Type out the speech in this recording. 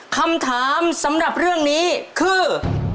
คำถามสำหรับเรื่องนี้คือ